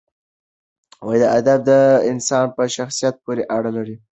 ادب د انسان په شخصیت پورې اړه لري.